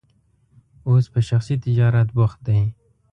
اوس په شخصي تجارت بوخت دی.